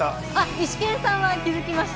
イシケンさんは気づきました。